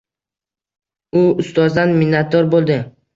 U ustozdan minnatdor bo‘ldi.